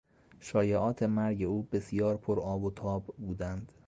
شایعات مرگ او بسیار پر آب و تاب بودند.